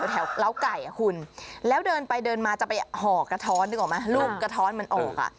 เหล้าไก่คุณแล้วเดินไปเดินมาจะไปห่อกระท้อนรูปกระท้อนมันออก